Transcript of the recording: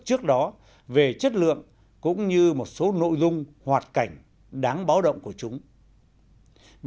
trước đó về chất lượng cũng như một số nội dung hoạt cảnh đáng báo động của chúng